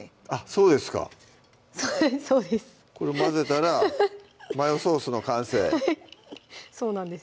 そうですかそうですこれを混ぜたらマヨソースの完成そうなんです